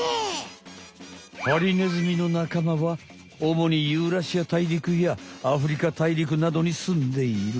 ハリネズミの仲間はおもにユーラシアたいりくやアフリカたいりくなどにすんでいる。